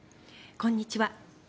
こんにちは。